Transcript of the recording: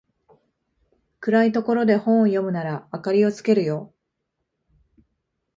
暗いところで本を読むなら明かりつけるよ